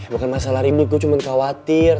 makan masalah ribik gue cuman khawatir